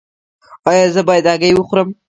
ایا زه باید هګۍ وخورم؟